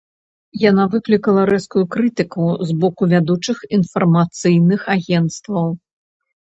Яна выклікала рэзкую крытыку з боку вядучых інфармацыйных агенцтваў.